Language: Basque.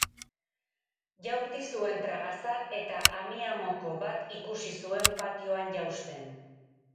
Jaurti zuen tragaza, eta amiamoko bat ikusi zuen patioan jausten.